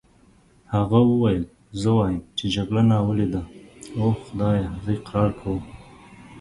هغه وویل: زه وایم چې جګړه ناولې ده، اوه خدایه زه اقرار کوم.